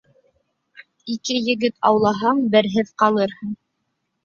Ике егет аулаһаң, берһеҙ ҡалырһың.